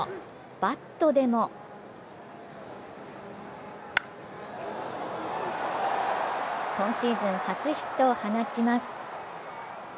バットでも今シーズン初ヒットを放ちます。